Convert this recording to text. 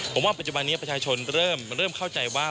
ผมว่าปัจจุบันนี้ประชาชนเริ่มเข้าใจว่า